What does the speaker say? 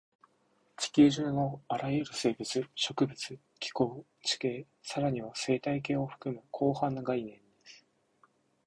地球上のあらゆる生物、植物、気候、地形、さらには生態系を含む広範な概念です